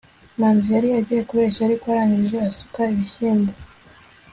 manzi yari agiye kubeshya, ariko arangije asuka ibishyimbo